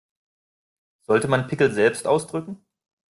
Sollte man Pickel selbst ausdrücken?